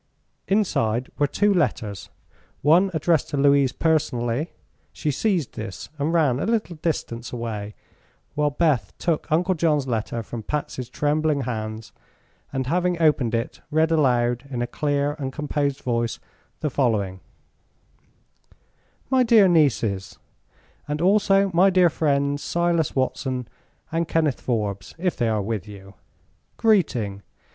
"_ Inside were two letters, one addressed to Louise personally. She seized this and ran a little distance away, while Beth took Uncle John's letter from Patsy's trembling hands, and having opened it read aloud in a clear and composed voice the following: "My dear Nieces: (and also my dear friends, Silas Watson and Kenneth Forbes, if they are with you) Greeting!